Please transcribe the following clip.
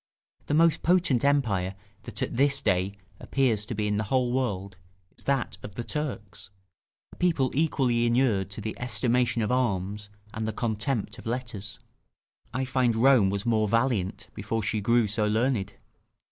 The most potent empire that at this day appears to be in the whole world is that of the Turks, a people equally inured to the estimation of arms and the contempt of letters. I find Rome was more valiant before she grew so learned.